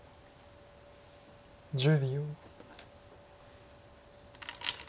１０秒。